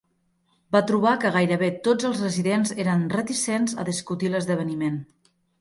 Va trobar que gairebé tots els residents eren reticents a discutir l'esdeveniment.